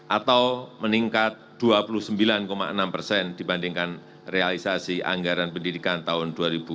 atau meningkat dua puluh sembilan enam persen dibandingkan realisasi anggaran pendidikan tahun dua ribu dua puluh